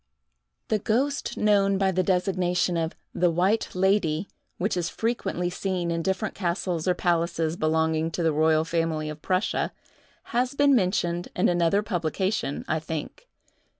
The ghost known by the designation of "the White Lady," which is frequently seen in different castles or palaces belonging to the royal family of Prussia, has been mentioned in another publication, I think.